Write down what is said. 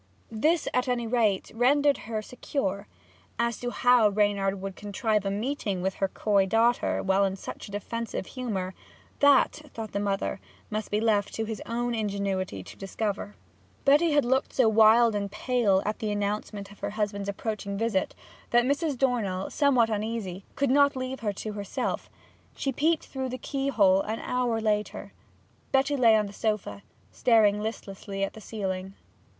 This, at any rate, rendered her secure. As to how Reynard would contrive a meeting with her coy daughter while in such a defensive humour, that, thought her mother, must be left to his own ingenuity to discover. Betty had looked so wild and pale at the announcement of her husband's approaching visit, that Mrs. Dornell, somewhat uneasy, could not leave her to herself. She peeped through the keyhole an hour later. Betty lay on the sofa, staring listlessly at the ceiling.